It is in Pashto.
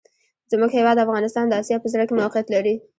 زموږ هېواد افغانستان د آسیا په زړه کي موقیعت لري.